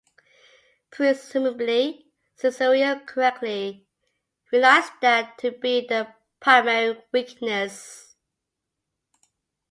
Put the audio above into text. Presumably, Cicero correctly realised that to be the primary weakness.